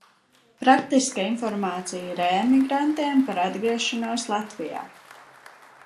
Praktiska informācija reemigrantiem par atgriešanos Latvijā.